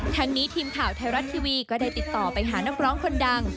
ทั้งนี้ทีมข่าวไทยรัฐทีวีก็ได้ติดต่อไปหานักร้องคนดัง